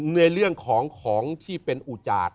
ในเรื่องของของที่เป็นอุจาต